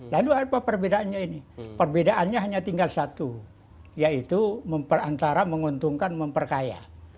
lalu apa perbedaannya ini perbedaannya hanya tinggal satu yaitu antara menguntungkan memperkaya